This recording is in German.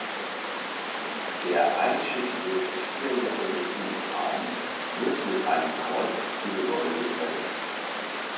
Der einschiffige vierjochige Innenraum wird mit einem Kreuzrippengewölbe überdeckt.